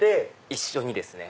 一緒にですね。